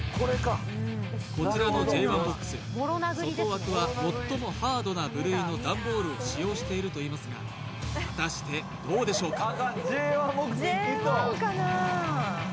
こちらのＪ１−ＢＯＸ外枠は最もハードな部類の段ボールを使用しているといいますが果たしてどうでしょうか